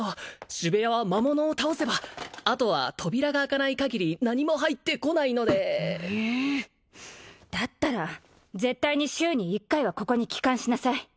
主部屋は魔物を倒せばあとは扉が開かない限り何も入ってこないのでだったら絶対に週に１回はここに帰還しなさい